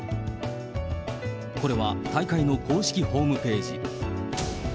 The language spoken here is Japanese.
これは大会の公式ホームページ。